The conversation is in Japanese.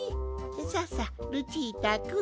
ささルチータくん